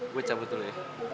gue cabut dulu ya